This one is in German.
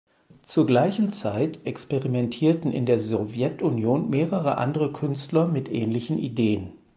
Zur gleichen Zeit experimentierten in der Sowjetunion mehrere andere Künstler mit ähnlichen Ideen.